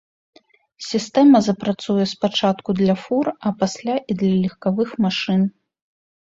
Сістэма запрацуе спачатку для фур, а пасля і для легкавых машын.